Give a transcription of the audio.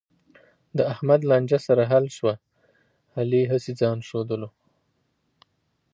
د احمد لانجه سره حل شوه، علي هسې ځآن ښودلو.